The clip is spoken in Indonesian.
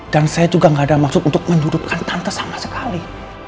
dan saya juga ga ada maksud untuk menudutkan tante sama sekali